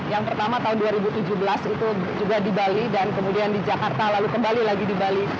yang pertama tahun dua ribu tujuh belas itu juga di bali dan kemudian di jakarta lalu kembali lagi di bali